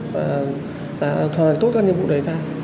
và hoàn toàn tốt các nhiệm vụ đấy ra